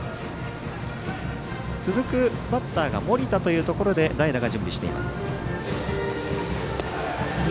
続くバッターが盛田というところで代打が準備しています。